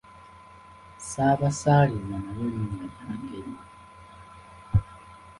Ssaabasaaliza nalyo linnya lya ngaali.